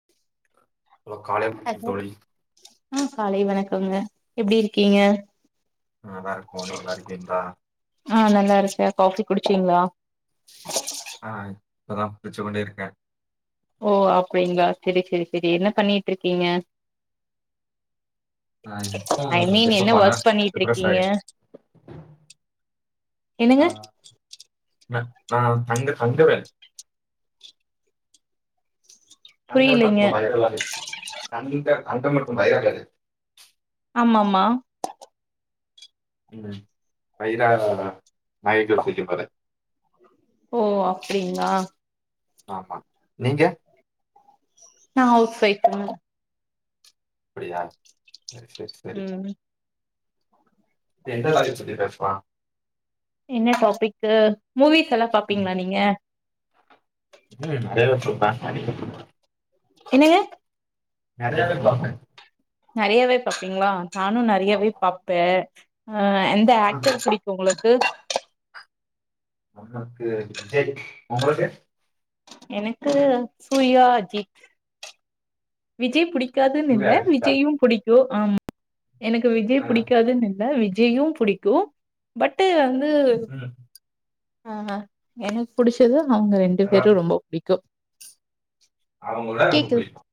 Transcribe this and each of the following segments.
[inaudible] காலை தோழி ம் காலை வணக்கம்ங்க எப்டி இ நல்லா இருக்கோ நிங்க நல்லா இருக்கீங்களா ஆ நல்லா இருக்க காபி குடிச்சீங்களா ஆ இப்போ தான் குடிச்சு கொண்டு இருக்கேன் ஓ அப்டிங்களா சேரி சேரி சேரி என்ன பண்ணிட்டு இருக்கீங்க நான் ஐ இப்பதான் மீன் என்ன பிரேக்கப் ஆனேன் ஒர்க் பண்ணிட்டு டிப்ரெஸ் இருக்கீங்க என்னங்க ந நான் தங்க தங்கவேல் தங்கம் புரியலைங்க மற்றும் வைரல் அது கந்த தங்கம் மற்றும் வைரல் அது ஆமாம் மா ம் பைரா ரார வாய் கேடுத்துக போரே ஓ அப்டிங்ளா ஆமா நீங்க நான் ஹவுஸ் வைஃப்புங்க அப்டியா செரி செரி செரி ம் எங்த வேலை சுத்தி பேஸ்வா என்ன டாப்பிக்கு மூவிஸ் எல்லாம் பாப்பீங்ளா நீங்க உம் அதே தான் சொன்னா என்னங்க நறையாவே பாப்பே நறையாவே பாப்பீங்களா நானும் நறையாவே ஆமா பாப்பே ஆ எந்த ஆ, ஆக்டர் பிடிக் உங்ளுக்கு நமக்கு விஜய் உங்களுக்கு எனக்கு சூர்யா அஜித் விஜய் புடிக்காதுன்னு உங்களுடைய இல்ல அஜித்தா விஜய்யும் புடிக்கும் ஆம் எனக்கு விஜய் ஆ, புடிக்காதுன்னு இல்ல விஜய்யும் புடிக்கும் பட்டு் வந்து ம், ஆஹ எனக் புடிச்சது அவுங்க ரெண்டு ர- பேரும் ரொம்ப புடிக்கும் அவங்கள ரொம்ப பிடிக்கும்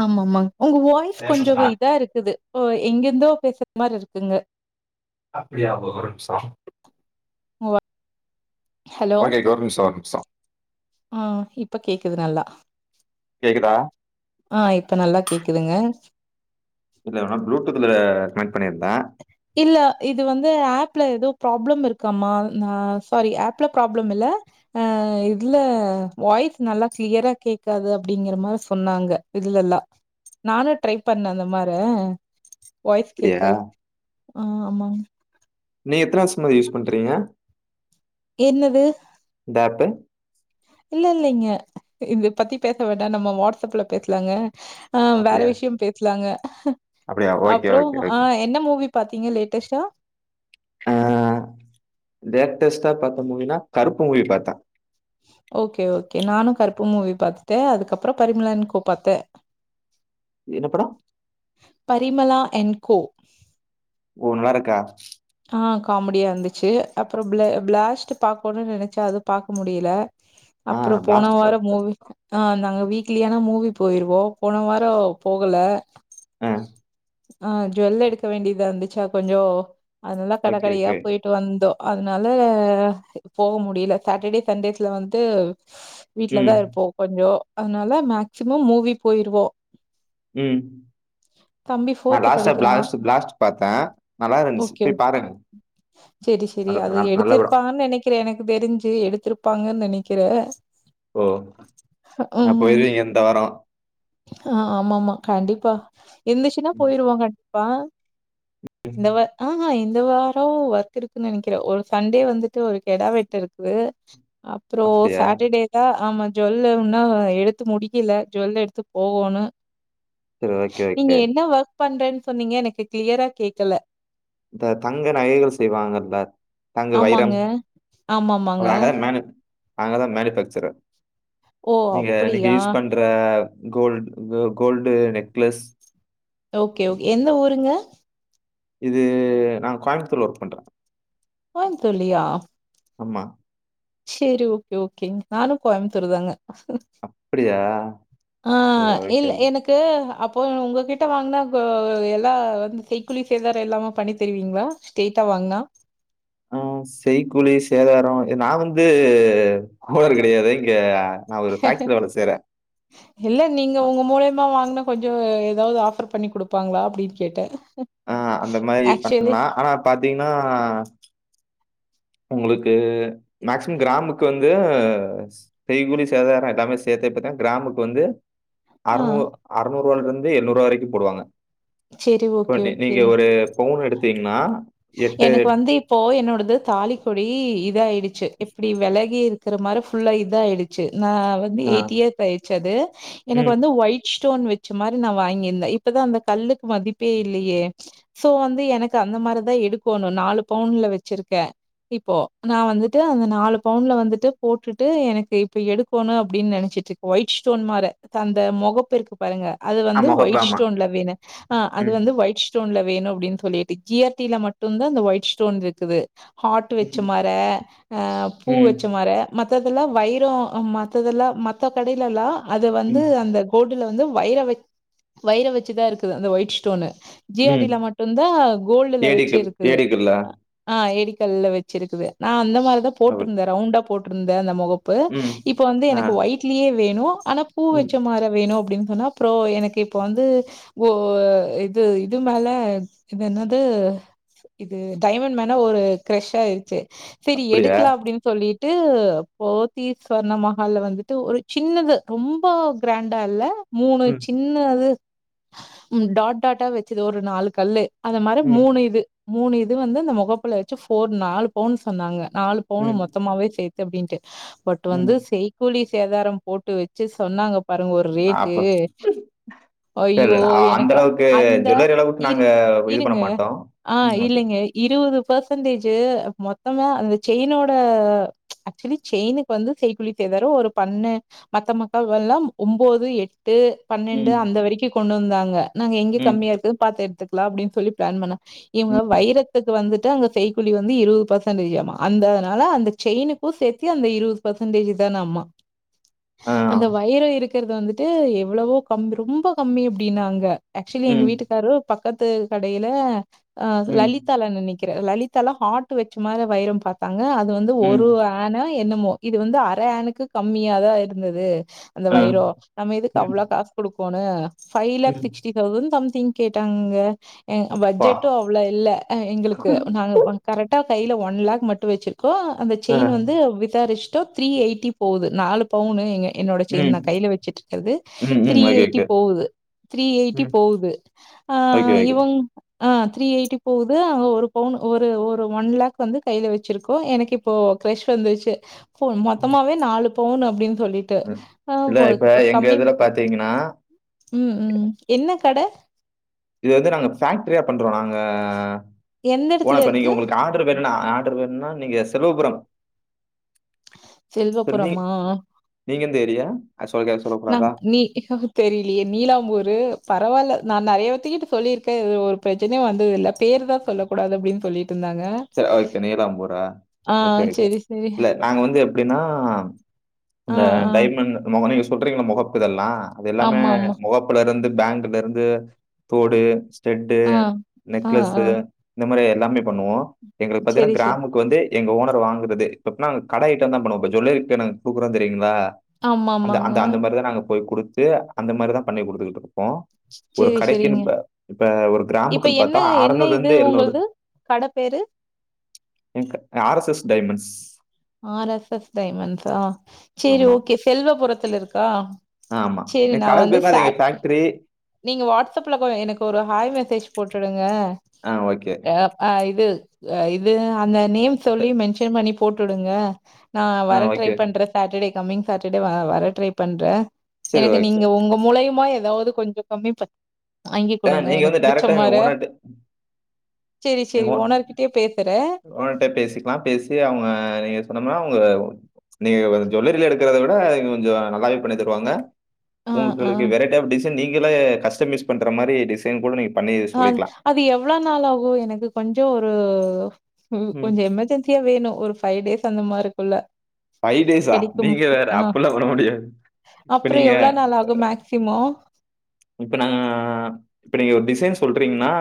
ஆம்மாம்மா உங்க வாய்ஸ் கொஞ்சோ தேவலா இதா இருக்குது எங்கிருந்தோ பேசுற மாரி இருக்குங்க அப்டியா ஒரு நிம்ஷம் உங்க ஓகே ஒரு நிமிஷம் ஒரு நிமிஷம் அ இப்ப கேக்குது நல்லா கேக்குதா ஆ இப்ப நல்லா கேக்குதுங்க இவ்ளே நேரம் ப்ளூடூத்ல கனெக்ட் பண்ணிருந்த இல்ல இது வந்து ஆப்ல ஏதோ ப்ராப்ளம் இருக்காமா நா சாரி ஆப்ல ப்ராப்ளம் இல்ல அ இத்ல வாய்ஸ் நல்லா க்ளியரா கேக்காது அப்டிங்கிற மார சொன்னாங்க இதுல இல்ல நானு ட்ரை பண்ண அந்த மார வாய்ஸ் அப்படியா கேக்கல அ ஆமாங் நீங்க எத்தன வர்ஷமா இது யூஸ் பண்றீங்க என்னது இந்த ஏப்பு இல்ல இல்லைங்க இ இது பத்தி பேச வேண்டா நம்ம வாட்ஸ்அப்ல பேஸ்லாங்க அ வேற அப்படியா விஷ்யோ பேஸ்லாங்க அப்படியா ஓகே அப்றோ ஓகே அ ஓகே என்ன மூவி பாத்தீங்க லேட்டஸ்ட்டா அ லேட்டஸ்ட்டா பாத்த மூவினா கருப்பு மூவி பாத்தே ஓகே ஓகே நானு கருப்பு மூவி பாத்துட்டே அதுக்கப்பறோ பரிமளா அண் கோ பாத்தே என்ன படோ பரிமளா எண் கோ ஓ நால்லாருக்கா ஆ காமடியா இர்ந்துச்சு அப்பறோ ப்ளே ப்ளாஸ்ட்டு பாக்கோணுன் நெனச்ச அது பாக்க முடியில ஆ அப்றோ போன பிளாஸ்ட் வாரோ பார்த்தேன் மூவி [inaudible] ஆ நாங்க வீக்லியானா மூவி போய்ருவோ போன வாரோ போகல ஆ ஆ ஜ்வெல் எடுக்க வேண்டியதார்ந்துச்சா கொஞ்சோ அதனால கட ஓகே கடையா ஓகே போய்ட் டு வந்தோ அதுனால போக முடியில சாட்டடே, சண்டேஸ்ல வந்து வீட்லதா ம் இருப்போ கொஞ்சோ அதுனால மேக்சிமம் மூவி போய்ருவோ ம் தம்பி நா ஃபோர்த்து லாஸ்ட்டா படிக்கிறா ப்ளாஸ்ட்டு ப்ளாஸ்ட் பாத்தே நல்லா இருந்ச்சி கே சேரி சேரி நல்ல அது நல்ல- நல்ல படம் எடுத்திருப்பான் நெனைக் கிறே எனக்கு தெரிஞ்சி எடுத்துருப்பாங்கன் நெனைக்கிற ஓ ஹ நான் ம் போயிருவீங்க இந்த வாரம் ஆ ஆமாமா கண்டிப்பா இர்ந்துச்சின்னா ம், போயிருவோ கண்டி ப்பா இந்த வா ஆ ஆ இந்த வாரோ ஒர்க் இருக்கு நெனக்கிறே ஒரு சண்டே வந்துட்டு ஒரு கெடா வெட்டுருக்குது அப் றோ அப்படியா சாட்டடேதா ஆமா ஜ்வல்லு உன்னு எடுத்து முடிக்கல ஜ்வல் எடுத்து போகோனு சரி ஓகே ஓகே நீங்க என்ன வொர்க் பண்றேன் சொன்னீங்க எனக்கு க்ளியரா கேக்கல இந்த தங்க நகைகள் செய்வாங்கல்ல நாங்க வைரம் ஆமாங்க. ஆமாமாங்க. நாங்கதா மேனி நாங்கதா மேனிஃபேக்சரர் ஓ! நீங்க இன்னக்கி அப்படியா? யூஸ் பண்ற கோல்ட் க கோல்டு நெக்லஸ் ஓகே ஓகே எந்த ஊருங்க இது நாங் கோயம்த்தூர்ல ஒர்க் பண்றே கோயம்த்தூர்லயா ஆமா சேரி ஓகே ஓகேங் நானு கோயம்த்தூருதாங்க அப்டியா சேர் ஓகே ஓகே டு அப்போ உ உங்ககிட்ட வாங்னா ப எல்லா அந்த செய்கூலி சேதாரோ இல்லாம பண்ணி தருவீங்ளா ஸ்டெய்ட்டா வாங்னா ம் செய்கூலி சேதாரோ இல் நா வந்து ஹோனர் கெடையாது இங்க நா ஒரு ஃபேக்ட்ரில வேல சேய்றே ஹீல்ல நீங்க உங்க மூலையுமா வாங்னா கொஞ்சோ ஏதாவ்து ஆஃபர் பண்ணி குடுப்பாங்ளா அப்டின்னு கேட்டே ஆ அந்த மாரி பண்லா ஆனா பாத்தீங்னா உங்களுக்கு மேக்சிமம் கிராமுக்கு வந்து ஸ் செய்கூலி சேதாரோ எல்லாமே சேத்தே பாத்தா கிராமுக்கு வந்து ஆ. அறநூறு அறநூறுவாலருந்து எண்நூறுவா வரைக்கு போடுவாங்க சரி. ஓகே, போய்ட்டு ஓகே. நீங்க ஒரு பவுன் எடுத்தீங்னா எனக்கு வந்து இப்போ என்னோடது தாலிக்கொடி இத ஆயிடுச்சு இப்டி விலகி இருக் க்கிற மாரே ஃபுல்லா இதாயிடுச்சு நா வந்து ஆ, எயிட் இயர்த் ஆயிடுச்சு அது எனக்கு ம். வந்து ஒய்ட் ஸ்டோன் வெச்ச மாரி நா வாங்கியிருந்தே இப்பதா அந்த கல்லுக்கு மதிப்பே இல்லேயே சோ வந்து எனக்கு அந்த மாரிதா எடுக்கோணு நாலு பவுன்ல வச்சிருக்கே இப்போ நா வந்துட்டு அந்த நாலு பவுன்ல வந்துட்டு போட்டுட்டு எனக்கு இப்ப எடுக்கோணு அப்டின் நெனைச்சிட்ருக் ஒயிட் ஸ்டோன் மாரே தந்த மொகப்பெருகு பருங்க அது ஆ வந்து முகப்பு ஒயிட் ஆமா. ஸ்டோன்ல வேண அ அது ம். வந்து ஒயிட் ஸ்டோன்ல வேணும் அப்டின் சொல்லிட்டு ஜி ஆர் டி மட்டும்தா இந்த ஒயிட் ஸ்டோன்ருக்குது ஹாட்டு் வச்ச ம். மற அ பூ ம். வச்ச மற மத்ததெல்லா வைரோ மத்ததெல்லா மத்த கடைலல்லா அது வந்து ம். அந்தக் கோட்டுல வந்து வைர வெக் வைர வச்சிதா இருக்குது அந்த ஒயிட் ஸ்டோனு ஜிஆர் ம். டில மட்டுந்தா கோல்டுல வச்சு ஏடிக்கு இருக்குது ஏடிக்குல்ல. அ ஆ ஏடிக்கல்ல வச்சிருக்குது நா அந்த மாரிதா அவள். போட்ருந்தே ரவுண்டா போட்ருந்தே அந்த மொகப் இப்போ ம். இப்ப வந்து ஆ. எனக்கு ஒய்ட்லே வேணு ஆனா பூ ம். வச்ச மாற வேணு அப்டின்னு சொன்னாப் அப்றோ எனக்கு இப்போ வந்து ஓ இது இது மேல இது என்னத் து இது டைமண் மேன ஒரு க்ரெஷ் ஆயிருச்சு செரி அப்படியா? எடுக்லா அப்டின் சொல்லிட் டு போத்தீஸ் ஸ்வர்ண மஹால்ல வந்துட்டு ஒரு சின்னது ரொம்ப கிரண்டா இல்ல மூணு ம். சின்ன அது ம் டாட் டாட்டா வெச்சது ஒரு நாலு கல்லு அந்த மார் ம். மூணு இது மூணு இது வந்து இந்த மொகப்புல வச்சு ஃபோர் நாலு பவுன் சொன்னாங்க நாலுப் பவுனு ம். மொத்தமாவே சேத்து அப்டின்ட்டு பட் வந்து ம். செய்கூலி சேதாரம் போட்டு வச்சு சொன்னாங்கப் பாருங்க ஒரு ரேட்டு அப்ப சரி ஐயோ அ அந்த எனக்கு அளவுக்கு அந்த ஜுவல்லரி அளவுக்கு இரு நாங்க இது பண்ண இருங்க மாட்டோம். ஆ ம். ஓகே. இல்லைங்கை இருவது பர்சன்டேஜு மொத்தமா அந்த செயினோட ம்ச் ஆக்சுவலி செயினுக்கு வந்து செய்க்கூலி தேதாரோ ஒரு பண்ணு மத்த மக்கள் வல்லா ஒம்போது எட்டு பன்னெண்டு ம். அந்த வரைக்கு கொண்டு வந்தாங்க நாங்க எங்க ம். கம்மியா இருக்கு பாத்து எடுத்துக்கலா அப்டின்னு சொல்லி பிளான் பண்ண ம். இவங்க வைரத்துக்கு வந்துட்டு அங்க செய் கூலி வந்து இருவது பர்சன்டேஜியாமா அந்த அதனால அந்த செயினுக்கு சேத்தி அந்த இருவது பர்சன்டேஜு தானம்மா ஆ. அந்த வைரோ இருக்குறது வந்துட்டு எவ்ளவோ கம் ரொம்ப கம்மி அப்டின்னாங்க ஆக்சுலி எங்க ம். வீட்டுக்காரு பக்கத்து கடையில அ அது ம். லலிதால நினைக் க்கிரே லலிதால ஹாட்டு வச்சு மாரியே வைரோ பாத்தாங்க அது வந்து ம். ஒருவ ஆனா என்னமோ இது வந்து அர ஆனுக்கு கம்மியாதா இருந்தது அந்த ஆ. வைரோ நம்ம எதுக்கு ம். அவ்ளோ காசு குடுக்கோனு ஃபைவ் லாக் ம். சிக்ஸ்டி தெளசண் சம்திங் கேட்டாங்க எங் அப்பா! பட்ஜெட்டு அவ்ளோ இல்ல அ எங்களுக்கு நாங்க வங் கரெக்டா கையில ஒன் லாக் மட்டு வச்சிருக்கோ அந்த ஆ. செயின் வந்து விசாரிச் டோ த்ரீ எயிட்டி போகுது நாலு பவுனு எங்க என்னோட செயின் ம். நா கைல வச்சிட்ருக்கறது ம், ம். Three okay, eighty okay. போகுது த்ரீ எயிட்டி ம். போகுது ஆ ஓகே, ஓகே. இவங் ஆ த்ரீ எயிட்டி போகுது ஒரு பவுண் ஒரு ஒரு ஒன் லேக் வந்து கைல வச்சிருக்கோ எனக்கு இப்ப கிரஷ் வந்துச்சு போன் ம். மொத்தமாவே நாலு பௌன்னு அப்டின்னு சொல்லிட்டு அ கம்மி த்தீங்கன்னா உ உ என்ன கட இது வந்து நாங்க ஃபேக்டரியா பண்றோ நாங்க எந்த ஓனர் இடத்துல பண்ணி இருக்கு? உங்களுக்கு அ [unintelligible] ஆர்டர் வேணுனா நீங்க செலவபுரோ நீ செல்வப்புறமா நீங்க எந்த ஏரியா? அது சொல்ல நா சொல்லக்கூடாதா? நீ ங்க தெரியலியே நீலாம்பூரு பரவாயில்ல நா நெறியா பேத்துக்கிட்ட சொல்லியிருக்கே இது ஒரு பிரச்சனையு வந்ததில்ல பேருதா சொல்லக் கூடாது அப்டின் சொல்லிட்டு இருந்தாங்க சேரி ஓகே நீலாம்பூரா ஆ ஓகே ஓகே செரி செரி இல்ல நாங்க வந்து எப்டின்னா ஆ அ ஆ டைமண்ட் முக நீங்க சொல்றீங்கள மொகப்பு இதெல்லா அது எல்லாமே ஆமா ஆமா மொகப் அல இருந்து பேங்கல இருந்து தோடு ஸ்டெட்டு ஆ ஆ ஆ நெக்லஸு இந்த மாதிரி எல்லாமே பண்ணுவோ எங்களுக்கு செரி பாத்தீங்கன்னா செரி கிராமுக்கு வந்து எங்க ஓனர் வாங்குறது இப்ப கட ஐட்டம் தா பண்ணுவாப்ல இப்ப ஜேவெள்ளேரி இருக்கு நாங்க குடுக்குறோ தெரியுங்களா ஆமா அந்த ஆமாங்க அந்த அந்த மாதிரிதா நாங்க போய் குடுத்து அந்த மாதிரிதா பண்ணி குடுத்துக்கிட்டு இருப்போ ஒரு செரி கடைக்குன்னு செரிங்க இப்ப இப்ப ஒரு இப்ப கிராமக்கு பாத்தா அறநூறுல இருந்து எழுநூறு கடபேரு R S S diamonds R S S டைமண்ட்ஸா சரி ஆமாம் ஓகே செல்வபுரத்துல இருக்கா ஆமாம் சேசேரி என் நா கடை வந்து பேர் தான் அது எங்கள் ஃபாட்டு ஃபேக்ட்ரி நீங்க வாட்ஸப்ல எனக்கு ஒரு ஹாய் மெசேஜ் போட்டுடுங்க ஆ ஓகே அ அ இது இது அந்த நேம் சொல்லி மென்ஷன் பண்ணி போட்டுடுங்க நா ஆ வர ட்ரை ஓகே பண்றே சாட்டர்டே கம்மிங் சாட்டர்டே வர ட்ரை பண்றே சரி எனக்கு ஓகே. நீங்க உங்க மூலையுமா ஏதாவது கொஞ்சோ கம்மி பண் வாங்கி ஆ குடுங்க நீங்க எனக்கு வந்து புடிச்ச டைரக்ட்டா எங்க மார ஓனர்ட்ட சேரி எங்க சேரி ஓன் ஓனர் கிட் கிட்டே பேசுறே ஓனர்ட்ட பேசிக்கலா பேசி அவுங்க நீங்க சொன்னம்னா அவுங்க நீங்க ஜுவல்லரில எடுக்கறத விட இது கொஞ்சோ நல்லாவே பண்ணி தருவாங்க ஆ ஆ உங்களுக்கு வெரைட்டி ஆஃப் நீங்களே கஸ்டமைஸ் டிசைன் பண்ற மாதிரி டிசைன் கூட நீங்க பண்ணி ஆ சொல்லிக்கலா அது எவ்ளோ நாளா ஆகு எனக்கு கொஞ்சோ ஒரு ம். கொஞ்சோ எமெர்ஜென் க்கே வேணு ஒரு ஃபைவ் டேஸ் அந்த மாரிக்குள்ள டேஸா? கிடைக்கு நீங்க வேற ஆ அப்படிலாம் பண்ண முடியாது. இப்ப அப்றோ நீங்க எவ்வளோ நாள் ஆகு மேக் சிமோ இப்பநா இப்ப நீங்க ஒரு டிசைன் சொல்றீங்கன்னா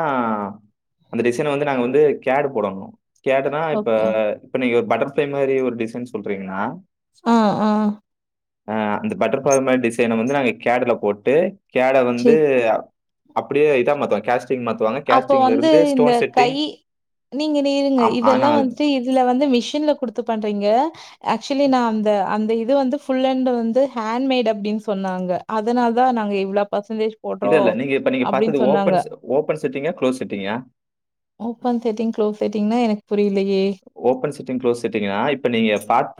அந்த டிசைன வந்து நாங்க வந்து கேடு போடணு கேடுனா இப்ப ஓகே இப்ப நீங்க ஒரு பட்டர்ஃப்ளை மாரி ஒரு டிசைன் சொல்றீங்கன்னா ஆ ஆ அ அந்த பட்டர்ஃபார்மேட் டிசைன வந்து நாங்க கேடுல போட்டு கேட வந்து சேரி அப்டியே இதா மாத்ரோ கேஸ்ட் அப்போ வந்து இந்த கை நீங்க நீருங்க அம் ஆனா இதெல்லா வந்துட்டு இதுல வந்து மிஷின்ல குடுத்து பண்றீங்க ஆக்சுலி நா அந்த அந்த இது வந்து ஃபுல்லண்ட் வந்து ஹேண்ட் மேடு அப்படின்னு சொன்னாங்க அதனால தா நாங்க இவ்ளோ பர்சன்டேஜ் இது போட்றோ இல்ல நீங்க இப்ப நீங்க பாத்தது அப்டின்னு சொன்னாங்க ஓபன் ஓபன் செட்டிங்கா குளோஸ் செட்டிங்கா ஓபன் செட்டிங் க்ளோஸ் செட்டிங்னா எனக்கு புரியலயே ஓபன் செட்டிங் க்ளோஸ் செட்டிங்னா இப்ப நீங்க பாத்த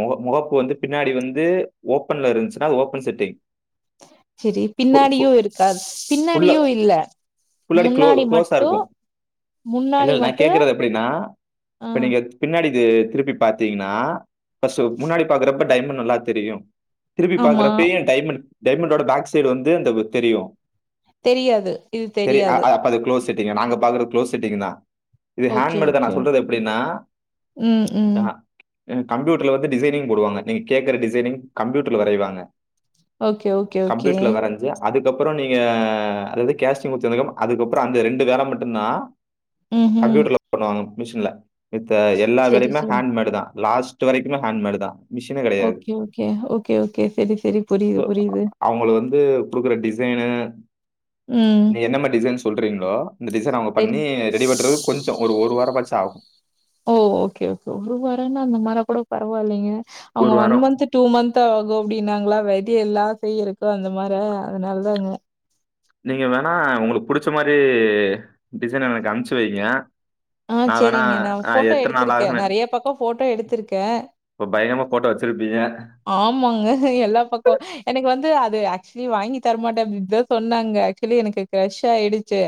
முக முகப்பு வந்து பின்னாடி வந்து ஓப்பன்ல இருந்ச்சுன்னா அது ஓபன் செட்டிங் சரி ஃபு ஃபு பின்னாடியும் இருக்காது ஃபுல்லா பின்னாடியும் இல்ல ஃபுல்லாடி க்ளோ முன்னாடி க்ளோஸா மட்டு இருக்கும். இல்ல, முன்னாடி இல்ல. நான் மட்டு கேட்கறது எப்படின்னா, ஆ இப்ப நீங்க பின்னாடி இது திருப்பி பாத்தீங்கன்னா பஸ முன்னாடி பாக்குறப்ப டைமண்ட் நல்லா தெரியு திருப்பி ஆமா பாக்குறப்பேயு டைமண்ட் டைமண்டோட பேக் சைடு வந்து அந்த தெரியும் தெரியாது இது தெரியாது ட்டீங்க நாங்க பாக்கற க்ளோஸ் செட்டிங்தா இது ஓகே ஹாண்ட்மேடுதா நா ஓகே சொல்றது எப்படின்னா ம் ம் த எங் கம்யூட்டர்ல வந்து டிசைனிங் போடுவங்க நீங்க கேக்குற டிசைனிங் கம்யூட்டர்ல வரைவாங்க ஓகே ஓகே ஓகே கம்ப்யூட்டர்ல வரஞ்ச அதுக்கப்பறோ நீங்க அதாவது கேஸ்டிங் ஊத்துனதுக்கப்பறோ அந்த ரெண்டு வேல மட்டும்தா ம் ம் கம்ப்யூட்டர்ல பண்ணுவாங்க மிஷின்ல மித்த எல்லா செரி வேலையுமே செரி ஹேண்ட்மேடுதா லாஸ்ட் இது வரைக்குமே ஹேண்ட் மேடுதா ஓகே ஓகே ஓகே ஓகே சரி சரி புரியிது புரியிது அவங்களு வந்து குடுக்குற டிசைனு ம். நீ என்ன மாறி டிசைன் சொல்றீங்ளோ இந்த டிசைன் அவங்க சரி. பண்ணி ரெடி பண்றதுக்கு கொஞ்சோ ஒரு ஒரு வார ஆச்சு ஆகும் ஓ ஓகே ஓகே ஒரு வாரன்னா அந்த மாறா கூட பரவாயில்லைங்க அவங்க ஒரு ஒன் வாரம் மந்த் டூ மந்த் ஆகும் அப்டின்னாங்களா வெதை எல்லா செய்றக்கு அந்த மாறா அதனால தாங்க நீங்க வேணா உங்களுக்கு புடிச்ச மாறி டிசைன் எனக்கு அம்ச்சி வைங்க ஆ நான் வேணா சேரிங்க நா நான் போட்டோ எத்தனை நாள் எடுத்திருக்கே ஆகுன்னு நிறைய பக்கம் போட்டோ எடுத்திருக்கே இப்ப பயங்கரமா போட்டோ வச்சிருப்பீங்க ஆமாங்க எல்லா பக்கம் எனக்கு வந்து அது ஆக்சுவலி வாங்கி தரமாட்டே அப்படின்னுதா சொன்னாங்க ஆக்சுவலி எனக்கு கிரஷ் ஆயிடுச்சு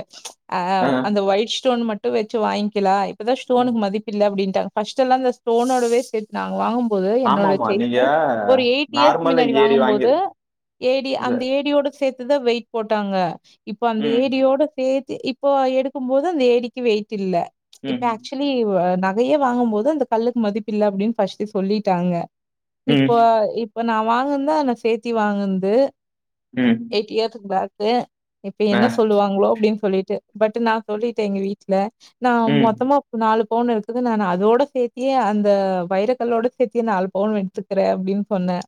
அ அஹ். அந்த ஒயிட் ஸ்டோன் மட்டு வச்சு வாய்ங்க்கலா இப்பதா ஸ்டோனுக்கு மதிப் இல்ல அப்படின்ட்டாங்க ஃபர்ஸ்ட் எல்லா இந்த ஸ்டோனோடவே சேத்து நாங்க வாங்கும்போது ஆமா என்னோட ஆமா நீங்க செயினு ஒரு எயிட் இயர்ஸ் நார்மலா மின்னாடி ஏடி வாங்கும் வாங்கி போது ஏடி இது. அந்த ஏடியோட சேத் இப்டிதா வெயிட் போட்டாங்க இப்ப அந்த ம் ஏடியோட சேத் தே இப்போ எடுக்கும் போது அந்த ஏடிக்கு வெயிட் இல்ல ம் இப்ப ஆக்சு வலி நகையே வாங்கும்போது அந்த கல்லுக்கு மதிப்பு இல்ல அப்படின்னு ஃபர்ஸ்ட்டே சொல்லிட்டாங்க இப்போ ம் இப்ப நா வாங்குனதுதா நா சேத்தி வாங்குன்து ம் எய்ட் இயர்ஸ்க்கு பேக்கு இப்ப ஆ என்ன சொல்லுவாங்ளோ அப்படின்னு சொல்லிட்டு பட்டு நா சொல்லிட்டேன் எங்க வீட்ல நா ம் மொத்தமா ஒரு நாலு பவுன் இருக்குது நானு அதோட சேத்தியே அந்த வைர கல்லோட சேத்தியே நாலு பவுன் எடுத்து க்கிறே அப்டின்னு சொன்ன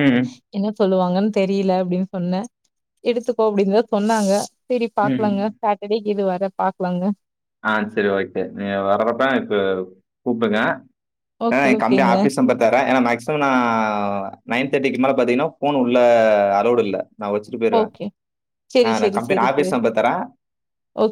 ம் என்ன சொல்லுவாங்கன்னு தெரியல அப்டின்னு சொன்னே எடுத்துக்கோ அப்டின்னு தா சொன்னாங்க சேரி ம் பாக்கலாங்க சாட்டர்டே கீது வரே பாக்கலாங்க ஆ சேரி ஓகே நீங்க வரப்பப்பே எனக்கு கூப்டுங்க வேனா ஓகே எ கம்பெனி ஓகேங்க ஆஃபீஸ் நம்பர் தரே ஏன்னா மேக்ஸ் அப்றோ நா நைன் தேர்டிக்கு மேல பாத்தீங்கன்னா ஃபோன் உள்ள அலவுட் இல்ல நா வச் துட்டு பொய்யிருவே ஓகே நா செரி நா செரி கம்பெனி செரி செரி ஆபீஸ் நம்பர் தர ஓகே